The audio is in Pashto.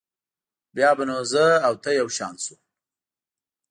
بیا به نو زه او ته یو شان شو.